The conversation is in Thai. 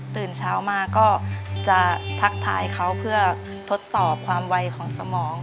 ตื่นเช้ามาก็จะทักทายเขาเพื่อทดสอบความไวของสมอง